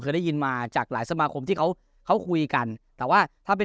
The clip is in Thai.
ได้ยินมาจากหลายสมาคมที่เขาเขาคุยกันแต่ว่าถ้าเป็น